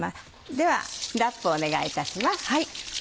ではラップをお願いいたします。